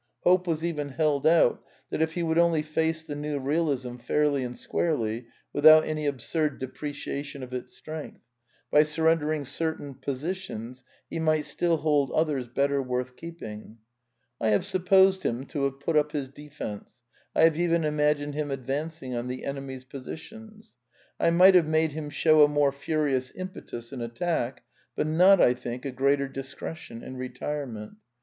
Hope was even held out that if he would only face the New Bealism fairly and squarely, virithout any absurd depreciation of its strength, by surrendering certain posi tions he might still hold others better worth keeping. I have supposed him to have put up his defence, I have even imagined him advancing on the enemy's positions. I might have made him show a more furious impetus in at tack, but not, I think, a greater discretion in retirement.